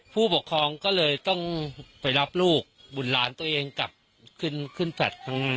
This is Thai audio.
ผู้ปกครองก็เลยต้องไปรับลูกบุตรหลานตัวเองกลับขึ้นขึ้นแฟลต์